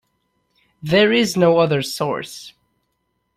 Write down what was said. There is no other source.